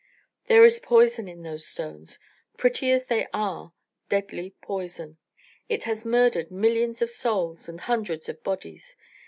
'There is poison in those stones, pretty as they are, deadly poison. It has murdered millions of souls and hundreds of bodies.